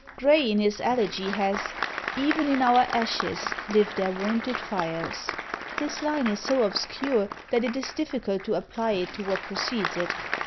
_ Gray in his Elegy has Even in our ashes live their wonted fires. This line is so obscure that it is difficult to apply it to what precedes it.